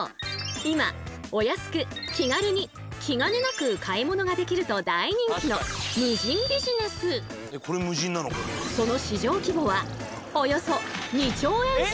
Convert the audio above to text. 今お安く気軽に気兼ねなく買い物ができるとこれ無人なの？